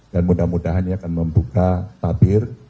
dan mudah mudahan akan membuka tabir